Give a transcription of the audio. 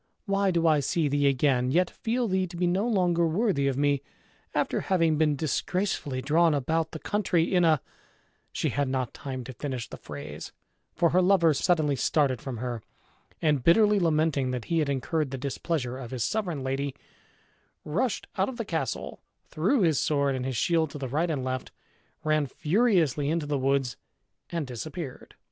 why do I see thee again, yet feel thee to be no longer worthy of me, after having been disgracefully drawn about the country in a " She had not time to finish the phrase, for her lover suddenly started from her, and, bitterly lamenting that he had incurred the displeasure of his sovereign lady, rushed out of the castle, threw his sword and his shield to the right and left, ran furiously into the woods, and disappeared.